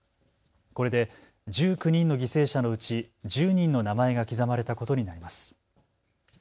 これで１９人の犠牲者のうち１０人の名前が刻まれたことになります。